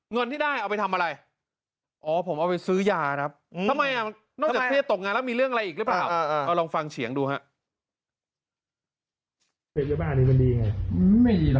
เงินที่ได้เอาไปทำอะไร